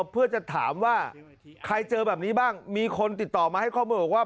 เพื่อจะถามว่าใครเจอแบบนี้บ้างมีคนติดต่อมาให้ข้อมูลบอกว่า